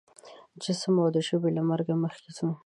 د جسم او د ژبې له مرګ مخکې خو